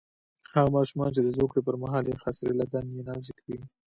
هغه ماشومان چې د زوکړې پر مهال یې خاصرې لګن یې نازک وي.